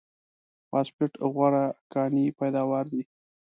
فاسفېټ غوره کاني پیداوار دی.